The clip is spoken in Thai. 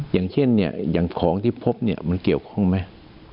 อย่างเช่นอย่างของที่พบมันเกี่ยวข้องไหม